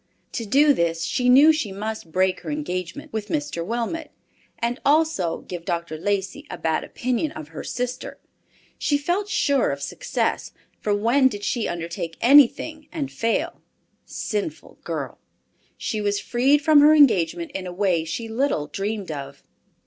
To do this she knew she must break her engagement with Mr. Wilmot, and also give Dr. Lacey a bad opinion of her sister. She felt sure of success, for when did she undertake anything and fail? Sinful girl! She was freed from her engagement in a way she little dreamed of.